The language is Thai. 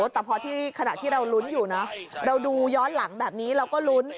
แต่พอขณะที่เราลุ้นอยู่นะเราดูย้อนหลังแบบนี้เราก็ลุ้น